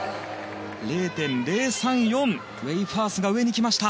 ０．０３４、ウェイファースが上にきました。